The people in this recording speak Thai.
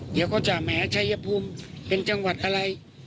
เดี๋ยวก็จะแหมชัยภูมิเป็นจังหวัดอะไร